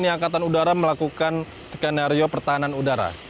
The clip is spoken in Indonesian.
tni angkatan udara melakukan skenario pertahanan udara